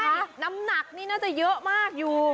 น้ำหนักนี่น่าจะเยอะมากอยู่